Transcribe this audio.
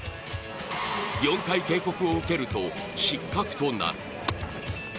４回警告を受けると失格となる。